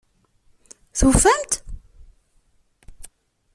Tufam-t?